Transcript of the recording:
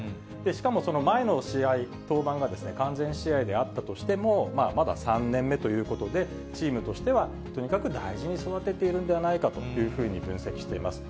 しかもその前の試合、登板が、完全試合であったとしても、まだ３年目ということで、チームとしては、とにかく大事に育てているんではないかというふうに分析しています。